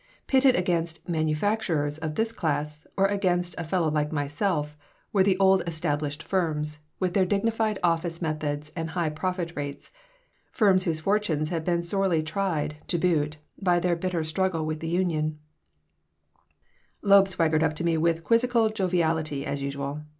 Pitted against "manufacturers" of this class or against a fellow like myself were the old established firms, with their dignified office methods and high profit rates, firms whose fortunes had been sorely tried, to boot, by their bitter struggle with the union Loeb swaggered up to me with quizzical joviality as usual.